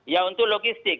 ya untuk logistik